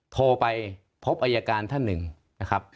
โทรไปพบอายการท่านหนึ่งนะครับ